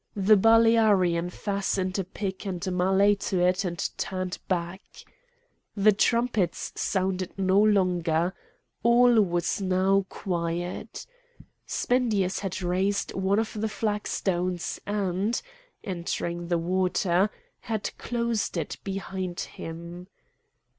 The Balearian fastened a pick and a mallet to it and turned back. The trumpets sounded no longer. All was now quiet. Spendius had raised one of the flag stones and, entering the water, had closed it behind him.